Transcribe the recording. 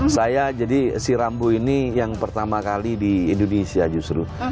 saya jadi si rambu ini yang pertama kali di indonesia justru